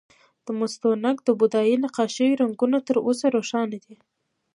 د مستونګ د بودايي نقاشیو رنګونه تر اوسه روښانه دي